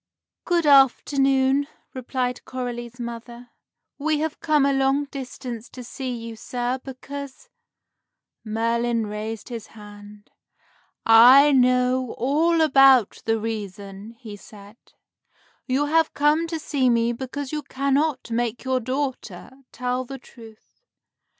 "Good afternoon," replied Coralie's mother; "we have come a long distance to see you, sir, because " Merlin raised his hand. "I know all about the reason," he said. "You have come to see me because you cannot make your daughter tell the truth.